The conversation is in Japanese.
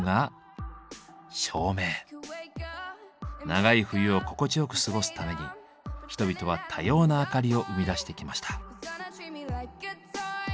長い冬を心地よく過ごすために人々は多様な明かりを生み出してきました。